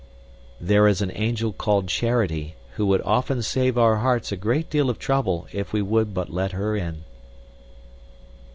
There is an angel called Charity who would often save our hearts a great deal of trouble if we would but let her in.